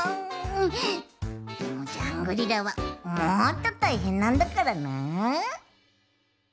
でもジャングリラはもっとたいへんなんだからな。